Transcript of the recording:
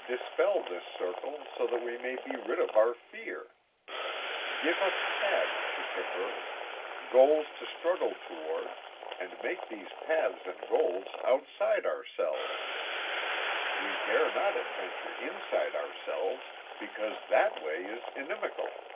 Dispel this circle so that we may be rid of our fear. Give us paths to traverse, goals to struggle toward and make these paths and goals outside ourselves. We dare not adventure inside ourselves because that way is inimical.